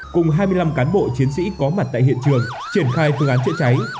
cùng hai mươi năm cán bộ chiến sĩ có mặt tại hiện trường triển khai phương án chữa cháy